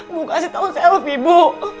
bu kasih tau selfie bu